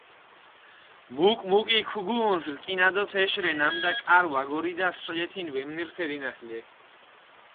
მუკ-მუკი ქუგუჸუნს რკინა დო თეშ რე ნამუდა, კარი ვაგორიდა სოლეთინ ვემნირთე დინახალე.